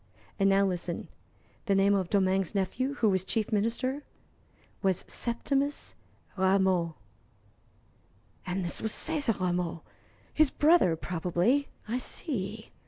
"And now listen. The name of Domingue's nephew, who was Chief Minister, was Septimus Rameau." "And this was César Rameau his brother, probably. I see.